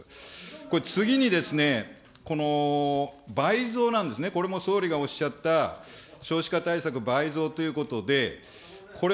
これ次にですね、この倍増なんですね、これも総理がおっしゃった少子化対策倍増ということで、これ、